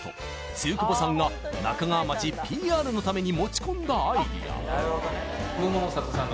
露久保さんが那珂川町ＰＲのために持ち込んだアイデア